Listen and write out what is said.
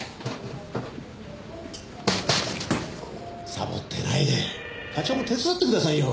さぼってないで課長も手伝ってくださいよ。